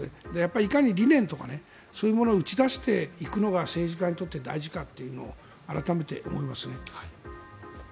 いかに理念とかそういうものを打ち出していくのが政治家にとって大事かっていうのを改めて思いますね。